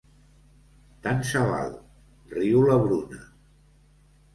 Tant se val, riu la Bruna.